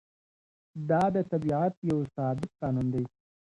دا د طبیعت یو ثابت قانون دی.